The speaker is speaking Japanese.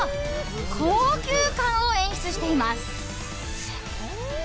高級感を演出しています。